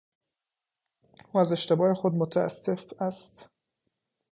او از اشتباه خود متاسف است.